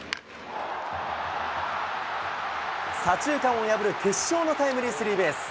左中間を破る決勝のタイムリースリーベース。